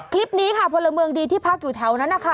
คลิปนี้ค่ะพลเมืองดีที่พักอยู่แถวนั้นนะคะ